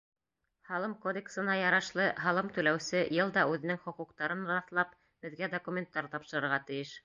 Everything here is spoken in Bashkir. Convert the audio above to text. Һалым кодексына ярашлы, һалым түләүсе йыл да үҙенең хоҡуҡтарын раҫлап, беҙгә документтар тапшырырға тейеш.